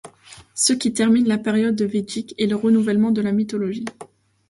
Ce qui termine la période védique est le renouvellement de la mythologie.